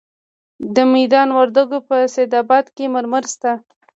د میدان وردګو په سید اباد کې مرمر شته.